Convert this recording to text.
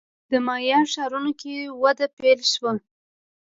د مایا ښارونو کې وده پیل شوه.